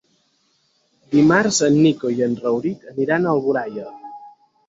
Dimarts en Nico i en Rauric aniran a Alboraia.